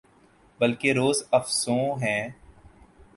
بلکہ روزافزوں ہے